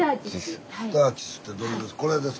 スターチスってどれです？